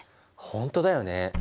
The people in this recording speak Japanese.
本当だよね。